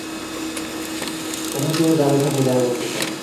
কেন তুমি জারের সাথে দেখা করতে চাও?